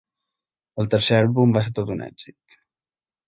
El tercer àlbum va ser tot un èxit.